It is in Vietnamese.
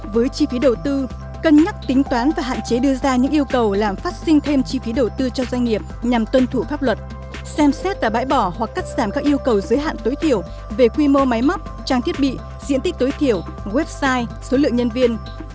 với chi phí đầu tư cân nhắc tính toán và hạn chế đưa ra những yêu cầu làm phát sinh thêm chi phí đầu tư cho doanh nghiệp nhằm tuân thủ pháp luật xem xét và bãi bỏ hoặc cắt giảm các yêu cầu giới hạn tối thiểu về quy mô máy móc trang thiết bị diện tích tối thiểu website số lượng nhân viên